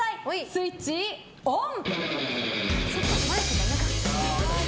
スイッチ、オン！